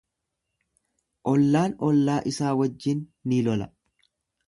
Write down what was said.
Ollaan ollaa isaa wajjin ni loola.